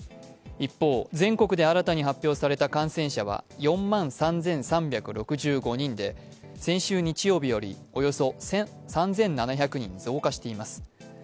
一方、全国で新たに発表された感染者は４万３３６５人で、先週日曜日より、およそ３７００人増加しています。